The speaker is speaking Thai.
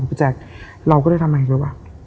พี่แจ๊คเราก็ได้ทำอย่างไรก็ว่า